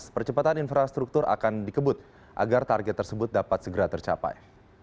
percepatan infrastruktur akan dikebut agar target tersebut dapat segera tercapai